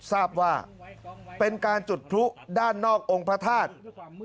ทราบว่าเป็นการจุดพลุด้านนอกองค์พระธาตุ